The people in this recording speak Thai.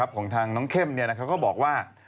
ของทางน้องเข้มเขาก็บอกว่า